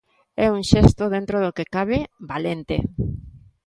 É un xesto, dentro do que cabe, valente.